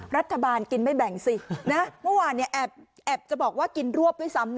รัฐบาลกินไม่แบ่งสินะเมื่อวานเนี่ยแอบจะบอกว่ากินรวบด้วยซ้ำนะ